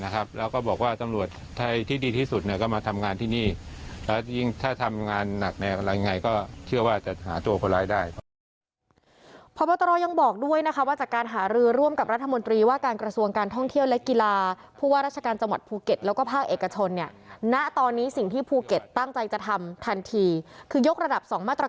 เขาก็ทำงานกับตำรวจไทยมานานนะครับ